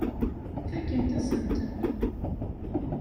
Fakkent-asen-ten.